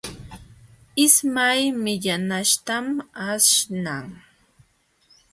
Ismay millanaśhtam aśhnan.